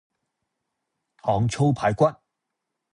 糖醋排骨